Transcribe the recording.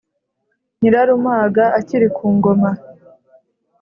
nyirarumaga akiri ku ngoma.